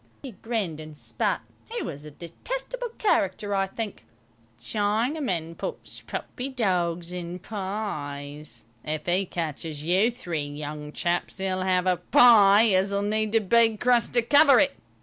He grinned and spat; he was a detestable character, I think. "Chinamen puts puppy dogs in pies. If 'e catches you three young chaps 'e'll 'ave a pie as'll need a big crust to cover it.